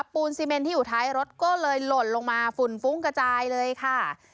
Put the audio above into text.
ปูนซีเมนที่อยู่ท้ายรถก็เลยหล่นลงมาฝุ่นฟุ้งกระจายเลยค่ะ